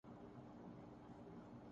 مجھ میں اور آپ میں زمیں آسمان کا فرق ہے